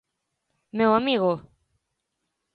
Meu amigo!